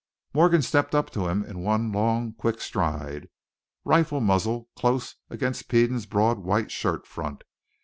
Morgan stepped up to him in one long, quick stride, rifle muzzle close against Peden's broad white shirt front.